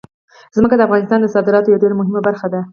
ځمکه د افغانستان د صادراتو یوه ډېره مهمه برخه ده.